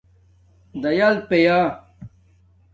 دَیل پیہ